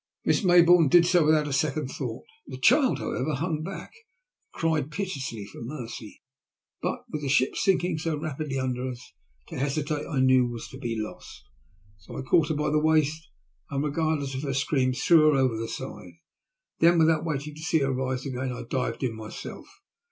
Miss Maybourne did so without a second thought; the child, however, hung back, and cried piteously for mercy. But, with the ship sinking so rapidly under us, to hesitate I knew was to be lost, so I caught her by the waist, and, regardless of her screams, threw her over the side. Then, without waiting to see her rise again, I dived in myself.